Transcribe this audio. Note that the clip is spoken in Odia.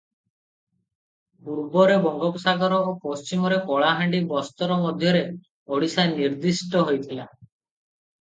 ପୂର୍ବରେ ବଙ୍ଗୋପସାଗର ଓ ପଶ୍ଚିମରେ କଳାହାଣ୍ଡି ବସ୍ତର ମଧ୍ୟରେ ଓଡ଼ିଶା ନିର୍ଦ୍ଦିଷ୍ଟ ହୋଇଥିଲା ।